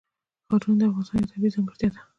ښارونه د افغانستان یوه طبیعي ځانګړتیا ده.